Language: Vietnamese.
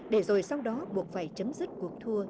để rồi sau đó buộc phải chấm dứt cuộc đua